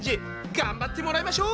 頑張ってもらいましょう！